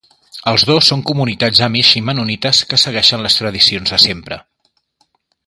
Els dos són comunitats amish i mennonites que segueixen les tradicions de sempre.